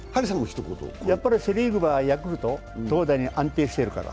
セ・リーグはヤクルト、投打に安定しているから。